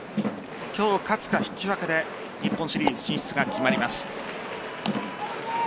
今日勝つか引き分けで日本シリーズ進出が決まります。